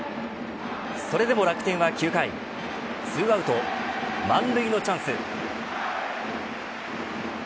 それでも楽天は９回２アウト満塁のチャンス。